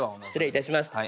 失礼いたします。